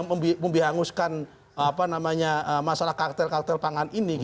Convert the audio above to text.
untuk membihanguskan masalah kartel kartel pangan ini